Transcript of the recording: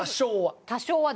多少は。